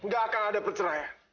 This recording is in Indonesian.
gak akan ada perceraian